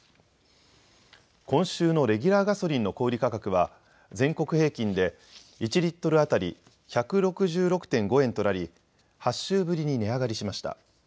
今週のレギュラーガソリンの小売り価格は、全国平均で１リットル当たり１６６．５円となり、８週ぶりに値上がりしました。